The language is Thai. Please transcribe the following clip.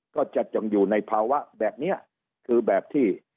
ก็จะจงอยู่ในภาวะแบบนี้คือแบบที่